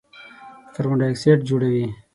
د کاربن ډای اکسایډ جوړوي.